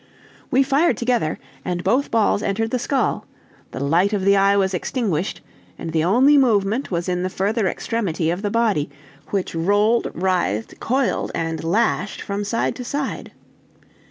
We fired together, and both balls entered the skull; the light of the eye was extinguished, and the only movement was in the further extremity of the body, which rolled, writhed, coiled, and lashed from side to side.